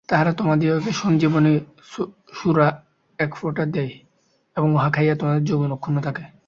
তাহারা তোমাদিগকে সঞ্জীবনী সুরা একফোঁটা দেয় এবং উহা খাইয়া তোমাদের যৌবন অক্ষুণ্ণ থাকে।